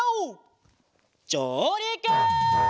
じょうりく！